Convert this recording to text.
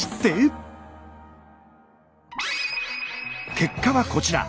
結果はこちら。